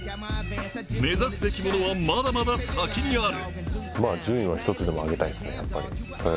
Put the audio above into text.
目指すべきものは、まだまだ先にある。